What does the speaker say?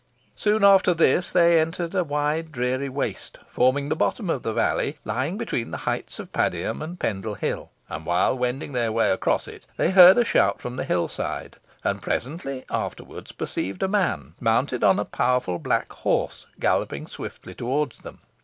Soon after this they entered a wide dreary waste forming the bottom of the valley, lying between the heights of Padiham and Pendle Hill, and while wending their way across it, they heard a shout from the hill side, and presently afterwards perceived a man, mounted on a powerful black horse, galloping swiftly towards them.